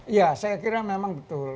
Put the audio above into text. ya saya kira memang betul